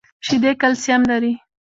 شیدې کلسیم لري .